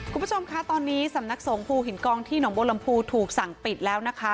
คุณผู้ชมคะตอนนี้สำนักสงภูหินกองที่หนองบัวลำพูถูกสั่งปิดแล้วนะคะ